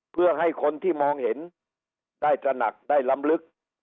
เพื่อให้คนที่มองเห็นได้ตระหนักได้ลำลึก